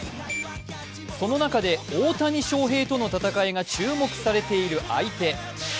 その中で大谷翔平との戦いが注目されている相手。